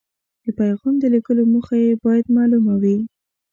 د پیغام د لیږلو موخه یې باید مالومه وي.